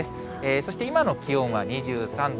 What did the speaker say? そして今の気温は２３度。